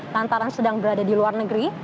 lantaran sedang berada di luar negeri